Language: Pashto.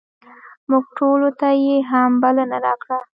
موږ ټولو ته یې هم بلنه راکړه.